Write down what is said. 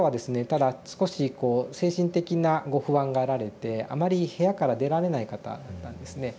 ただ少しこう精神的なご不安があられてあまり部屋から出られない方だったんですね。